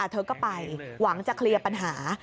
เธอก็ไปหวังจะเคลียร์ปัญหา